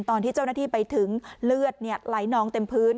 ตอนที่เจ้าหน้าที่ไปถึงเลือดไหลนองเต็มพื้น